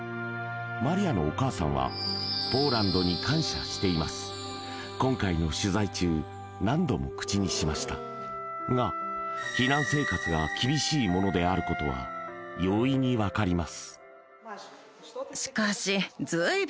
マリアのお母さんは今回の取材中何度も口にしましたが避難生活が厳しいものであることは容易にわかります